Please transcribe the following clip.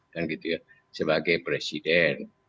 dan gitu ya sebagai presiden